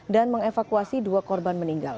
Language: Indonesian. dan mengevakuasi dua korban meninggal